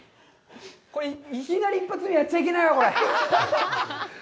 これ、いきなり一発目でやっちゃいけないわ！